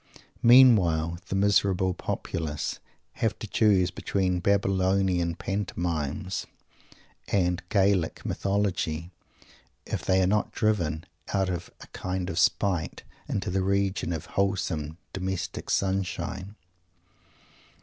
Meanwhile the miserable populace have to choose between Babylonian Pantomimes and Gaelic Mythology, if they are not driven, out of a kind of spite, into the region of wholesome "domestic sunshine."